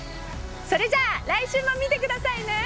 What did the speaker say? それじゃあ来週も見てくださいね。